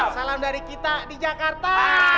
salam dari kita di jakarta